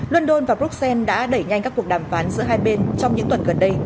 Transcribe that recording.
london và bruxelles đã đẩy nhanh các cuộc đàm phán giữa hai bên trong những tuần gần đây